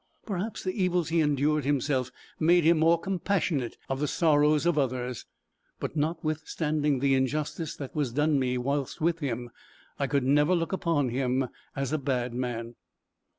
Perhaps the evils he endured himself, made him more compassionate of the sorrows of others; but notwithstanding the injustice that was done me while with him, I could never look upon him as a bad man.